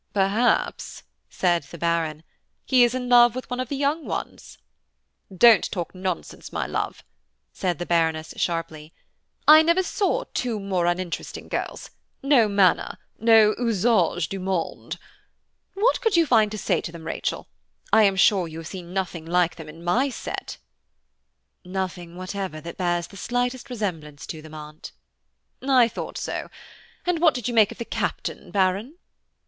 "Perhaps," said the Baron, "he is in love with one of the young ones." "Don't talk nonsense, my love," said the Baroness, sharply, "I never saw two more uninteresting girls–no manner, no usage du monde. What could you find to say to them, Rachel? I am sure you have seen nothing like them in my set." "Nothing whatever that bears the slightest resemblance to them, Aunt." "I thought so; and what did you make of the Captain, Baron?"